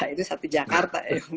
itu satu jakarta